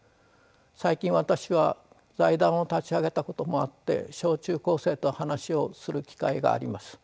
最近私は財団を立ち上げたこともあって小中高生と話をする機会があります。